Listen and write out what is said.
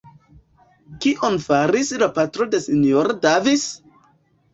Kion faris la patro de S-ro Davis?